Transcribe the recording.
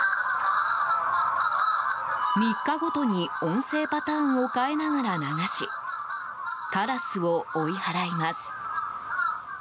３日ごとに音声パターンを変えながら流しカラスを追い払います。